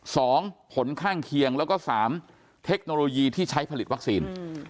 สองผลข้างเคียงแล้วก็สามเทคโนโลยีที่ใช้ผลิตวัคซีน